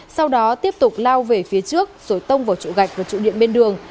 sau đó tiếp tục lao về phía trước rồi tông vào trụ gạch và trụ điện bên đường